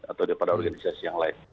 atau daripada organisasi yang lain